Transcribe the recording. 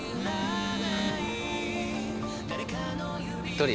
トリ？